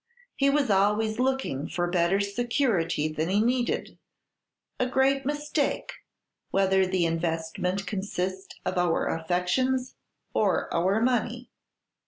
He was always looking for better security than he needed, a great mistake, whether the investment consist of our affections or our money.